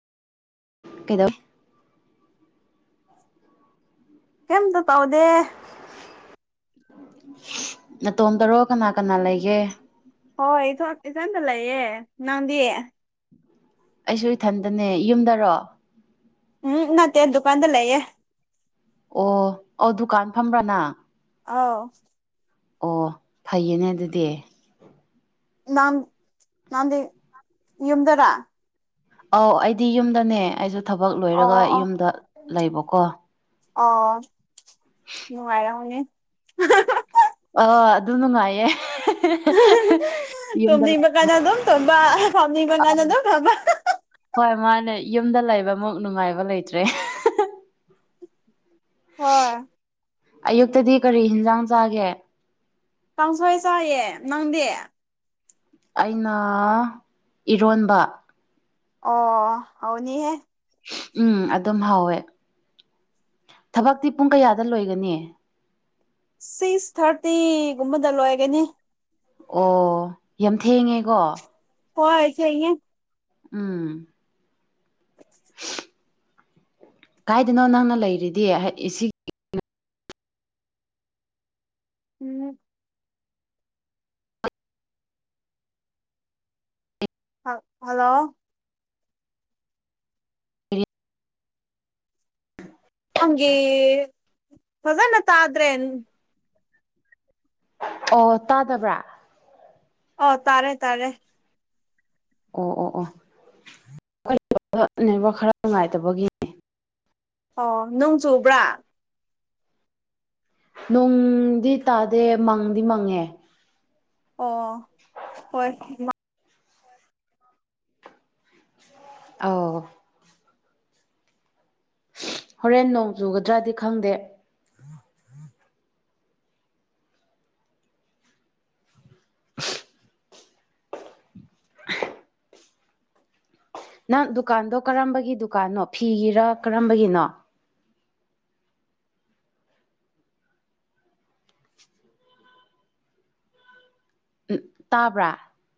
ꯀꯩꯗꯧ ꯀꯩꯝꯇ ꯇꯧꯗꯦ ꯅꯇꯣꯝꯇꯔꯣ ꯀꯅꯥ ꯀꯅꯥ ꯂꯩꯒꯦ ꯍꯣꯏ ꯏꯊꯟ ꯏꯆꯟꯇ ꯂꯩꯌꯦ ꯅꯪꯗꯤ ꯑꯩꯁꯨ ꯏꯊꯟꯗꯅꯦ ꯌꯨꯝꯗꯔꯣ ꯎꯝ ꯅꯠꯇꯦ ꯗꯨꯀꯥꯟꯗ ꯂꯩꯌꯦ ꯑꯣ ꯑꯣ ꯗꯨꯀꯥꯟ ꯐꯝꯕ꯭ꯔꯥ ꯅꯪ ꯑꯧ ꯑꯣ ꯐꯩꯌꯦꯅꯦ ꯑꯗꯨꯗꯤ ꯥꯅꯪ ꯅꯪꯗꯤ ꯌꯨꯝꯗꯔꯥ ꯑꯧ ꯑꯩꯗꯤ ꯌꯨꯝꯗꯅꯦ ꯑꯩꯁꯨ ꯊꯕꯛ ꯑꯣ ꯂꯣꯏꯔꯒ ꯑꯣ ꯌꯨꯝꯗ ꯂꯩꯕꯀꯣ ꯑꯣ ꯅꯨꯡꯉꯥꯏꯔꯝꯒꯅꯤ ꯑꯧ ꯑꯗꯨ ꯅꯨꯡꯉꯥꯏꯌꯦ ꯌꯨꯝꯗ ꯇꯨꯝꯅꯤꯡꯕ ꯂꯩꯕ ꯀꯥꯟꯗ ꯑꯗꯨꯝ ꯇꯨꯝꯕ ꯐꯝꯅꯤꯡꯕ ꯀꯥꯟꯗ ꯑꯗꯨꯝ ꯐꯝꯕ ꯍꯣꯏ ꯃꯥꯅꯦ ꯌꯨꯝꯗ ꯂꯩꯕꯃꯨꯛ ꯅꯨꯡꯉꯥꯏꯕ ꯂꯩꯇ꯭ꯔꯦ ꯍꯣꯏ ꯑꯌꯨꯛꯇꯗꯤ ꯀꯔꯤ ꯍꯤꯟꯖꯥꯡ ꯆꯥꯒꯦ ꯀꯥꯡꯁꯣꯏ ꯆꯥꯏꯌꯦ ꯅꯪꯗꯤ ꯑꯩꯅ ꯏꯔꯣꯟꯕ ꯑꯣ ꯍꯥꯎꯅꯤꯍꯦ ꯎꯝ ꯑꯗꯨꯝ ꯍꯧꯋꯦ ꯊꯕꯛꯇꯤ ꯄꯨꯡ ꯀꯌꯥꯗ ꯂꯣꯏꯒꯅꯤ ꯁꯤꯁ ꯊꯥꯔꯇꯤ ꯒꯨꯝꯕꯗ ꯂꯣꯏꯒꯅꯤ ꯑꯣ ꯌꯥꯝ ꯊꯦꯡꯉꯦꯀꯣ ꯍꯣꯏ ꯊꯦꯡꯉꯦ ꯎꯝ ꯀꯥꯏꯗꯅꯣ ꯅꯪꯅ ꯂꯩꯔꯤꯗꯤ [unintelligible] ꯎꯝ ꯍꯜ ꯍꯜꯂꯣ ꯅꯪꯒꯤ ꯐꯖꯅ ꯇꯥꯗ꯭ꯔꯦ ꯑꯣ ꯇꯥꯗꯕ꯭ꯔꯥ ꯑꯣ ꯇꯥꯔꯦ ꯇꯥꯔꯦ ꯑꯣ ꯑꯣ ꯑꯣ [unintelligible] ꯅꯦꯠꯋꯥꯛ ꯈꯔꯥ ꯅꯨꯡꯉꯥꯏꯇꯕꯒꯤꯅꯦ ꯑꯣ ꯅꯣꯡ ꯆꯨꯕ꯭ꯔꯥ ꯅꯣꯡꯗꯤ ꯇꯥꯗꯦ ꯃꯪꯗꯤ ꯃꯪꯉꯦ ꯑꯣ ꯍꯣꯏ ꯑꯧ ꯍꯣꯔꯦꯟ ꯅꯣꯡ ꯆꯨꯒꯗ꯭ꯔꯥꯗꯤ ꯈꯪꯗꯦ ꯅꯪ ꯗꯨꯀꯥꯟꯗꯣ ꯀꯔꯝꯕꯒꯤ ꯗꯨꯀꯥꯟꯅꯣ ꯐꯤꯒꯤꯔꯥ ꯀꯔꯝꯕꯒꯤꯅꯣ ꯇꯥꯕ꯭ꯔꯥ